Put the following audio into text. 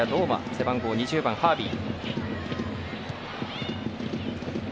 背番号２０番、ハービー。